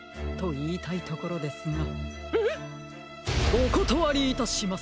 おことわりいたします！